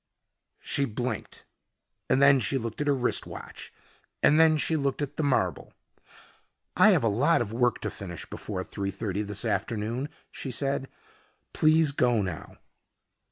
She blinked and then she looked at her wrist watch and then she looked at the marble. "I have a lot of work to finish before three thirty this afternoon," she said. "Please go now."